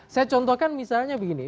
saya contohkan misalnya begini